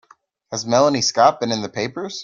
Has Melanie Scott been in the papers?